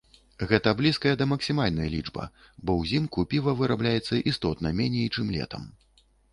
Гэта блізкая да максімальнай лічба, бо ўзімку піва вырабляецца істотна меней, чым летам.